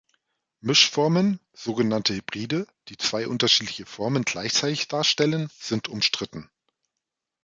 Mischformen, sogenannte Hybride, die zwei unterschiedliche Formen gleichzeitig darstellen, sind umstritten.